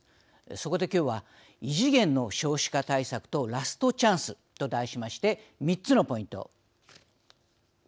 そこで今日は異次元の少子化対策とラストチャンスと題しまして３つのポイント。